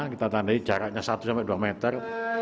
kita tandai jaraknya satu sampai dua meter